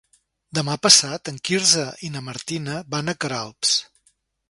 Demà passat en Quirze i na Martina van a Queralbs.